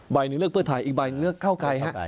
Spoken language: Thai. ใบหนึ่งเลือกเพื่อไทยอีกใบหนึ่งเลือกก้าวกาย